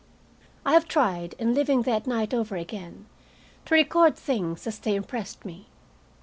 I have tried, in living that night over again, to record things as they impressed me.